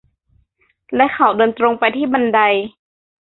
และเขาเดินตรงไปที่บันได